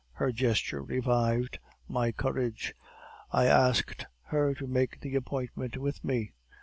"Her gesture revived my courage. I asked her to make the appointment with me.